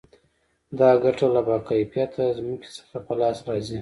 دا ګټه له با کیفیته ځمکې څخه په لاس راځي